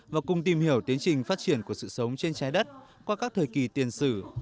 và cùng tìm hiểu tiến trình phát triển của sự sống trên trái đất qua các thời kỳ tiền sử